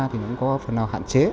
thì cũng có phần nào hạn chế